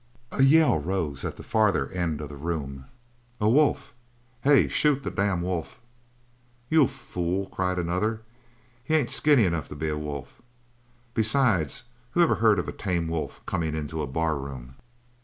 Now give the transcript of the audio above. A yell rose at the farther end of the room. "A wolf! Hey! Shoot the damn wolf!" "You fool!" cried another. "He ain't skinny enough to be a wolf. Besides, whoever heard of a tame wolf comin' into a barroom?"